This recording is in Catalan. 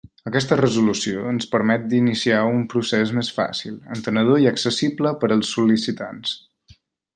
Aquesta Resolució, ens permet iniciar un procés més fàcil, entenedor i accessible per als sol·licitants.